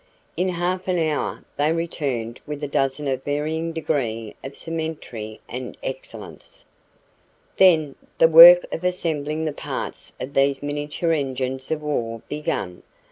In half an hour they returned with a dozen of varying degree of symmetry and excellence. Then the work of assembling the parts of these miniature engines of war began.